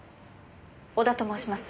織田と申します。